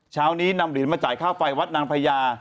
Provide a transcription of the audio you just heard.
เช้านี้นำเหรียญมาจ่ายค่าไฟวัดนางพญา